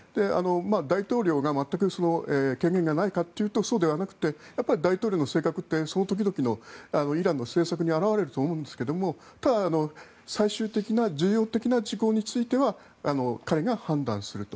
大統領が全く権限がないかというとそうではなくてやっぱり大統領の性格ってその時々のイランの政策に表れると思うんですが最終的な重要的な事項については彼が判断すると。